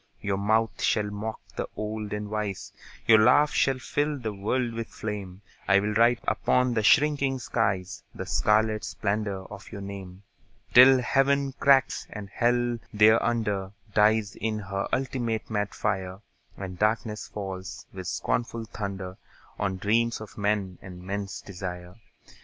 Your mouth shall mock the old and wise, Your laugh shall fill the world with flame, I'll write upon the shrinking skies The scarlet splendour of your name, Till Heaven cracks, and Hell thereunder Dies in her ultimate mad fire, And darkness falls, with scornful thunder, On dreams of men and men's desire.